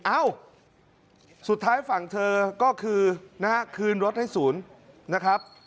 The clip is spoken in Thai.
เอ้าสุดท้ายฝั่งเธอก็คือนะฮะคืนรถให้ศูนย์นะครับ